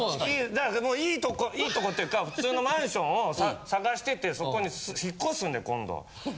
だからいいとこいいとこっていうか普通のマンションを探しててそこに引っ越すんで今度。